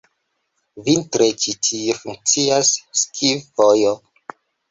Vintre ĉi tie funkcias ski-vojo.